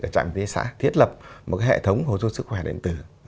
ở trạm y tế xã thiết lập một cái hệ thống hỗ trợ sức khỏe điện tử